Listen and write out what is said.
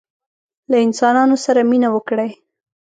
له انسانانو سره مینه وکړئ